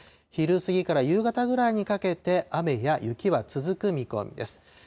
昼過ぎから夕方ぐらいにかけて、雨や雪は続く見込みです。